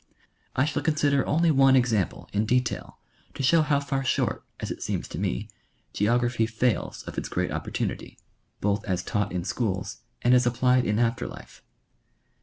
I shall consider only one example in detail to show how far short, as it seems to me, geography fails of its great opportunity, both as taught in schools and as applied in after life.